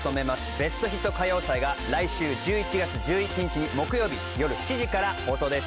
ベストヒット歌謡祭が来週１１月１１日木曜日夜７時から放送です。